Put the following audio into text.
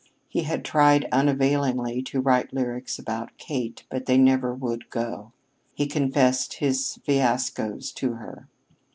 He had tried unavailingly to write lyrics about Kate, but they never would "go." He confessed his fiascoes to her.